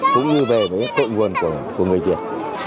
cũng như về với cội nguồn của người việt